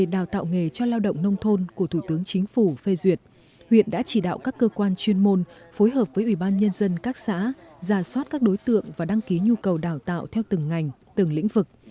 đào tạo nghề cho lao động nông thôn của thủ tướng chính phủ phê duyệt huyện đã chỉ đạo các cơ quan chuyên môn phối hợp với ủy ban nhân dân các xã ra soát các đối tượng và đăng ký nhu cầu đào tạo theo từng ngành từng lĩnh vực